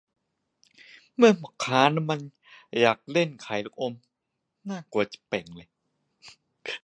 เมื่อพ่อค้าน้ำมันอยากเล่นขายลูกอม น่ากลัว